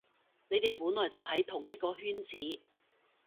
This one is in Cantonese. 你哋本來就喺同一個圈子